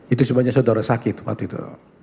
itu sebabnya saudara sakit waktu itu